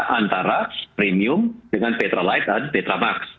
antara premium dengan petrolight dan petromax